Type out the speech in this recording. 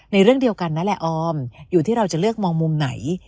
เรื่องเดียวกันนั่นแหละออมอยู่ที่เราจะเลือกมองมุมไหน